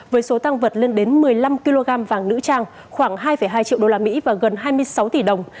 với số tăng vật lên đến một mươi năm kg vàng nữ trang khoảng hai hai triệu usd và gần hai mươi sáu tỷ đồng